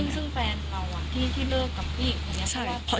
ซึ่งแฟนเราที่เลิกกับผู้หญิงคนนี้